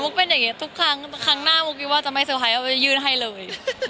เป็นอย่างนี้ทุกครั้งครั้งหน้ามุกคิดว่าจะไม่เซอร์ไพรสว่าจะยื่นให้เลย